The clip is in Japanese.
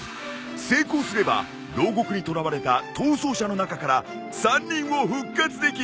成功すれば牢獄に捕らわれた逃走者の中から３人を復活できる。